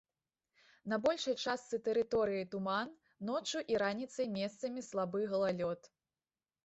На большай частцы тэрыторыі туман, ноччу і раніцай месцамі слабы галалёд.